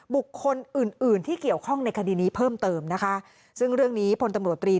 บุคคลอื่นอื่นที่เกี่ยวข้องในคดีนี้เพิ่มเติมนะคะซึ่งเรื่องนี้พลตำรวจตรี